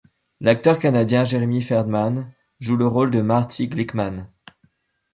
L'acteur canadien Jeremy Ferdman joue le rôle de Marty Glickman.